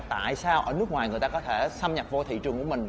tại sao ở nước ngoài người ta có thể xâm nhập vô thị trường của mình